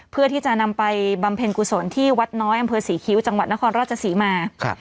เพื่อที่จะนำไปบำเพ็ญกุศลที่วัดน้อยอำเภอศรีคิ้วจังหวัดนครราชศรีมา